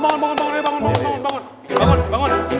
bangun bangun bangun